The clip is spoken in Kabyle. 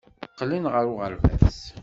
Qqlen ɣer uɣerbaz.